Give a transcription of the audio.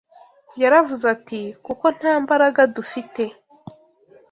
Yaravuze ati: “Kuko nta mbaraga dufite